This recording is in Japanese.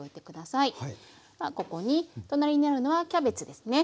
ここに隣にあるのはキャベツですね。